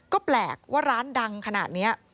ก็แปลกว่าร้านดังขนาดนี้